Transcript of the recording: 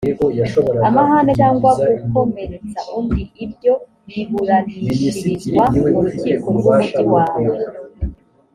amahane cyangwa gukomeretsa undi ibyo biburanishirizwa mu rukiko rw’umugi wawe